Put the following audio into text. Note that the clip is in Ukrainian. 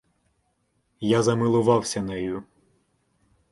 Я замилувався нею.